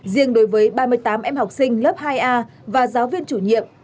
riêng đối với ba mươi tám em học sinh lớp hai a và giáo viên chủ nhiệm